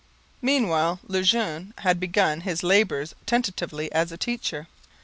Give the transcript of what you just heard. Meanwhile Le Jeune had begun his labours tentatively as a teacher.